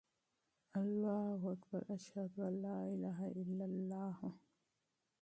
اللهاکبر، اشهدان الاله االاهلل